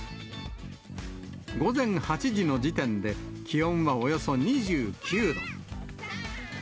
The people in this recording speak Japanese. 午前８時の時点で気温はおよそ２９度。